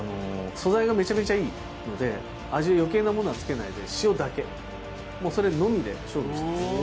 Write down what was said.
素材がめちゃめちゃいいんで味は余計なものはつけないで塩だけもうそれのみで勝負してますね